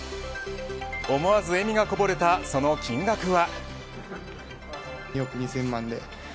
思わず笑みがこぼれたその金額は。